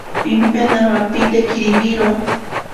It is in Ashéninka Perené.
Pimpenaro apite kiribiro.